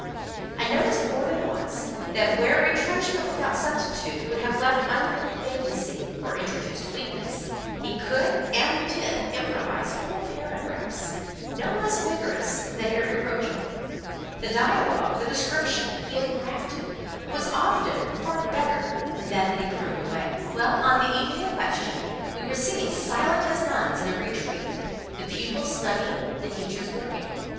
I noticed more than once, that where retrenchment without substitute would have left unmeaning vacancy, or introduced weakness, he could, and did, improvise whole paragraphs, no less vigorous than irreproachable; the dialogue—the description—he engrafted was often far better than that he pruned away. Well, on the evening in question, we were sitting silent as nuns in a "retreat," the pupils studying, the teachers working.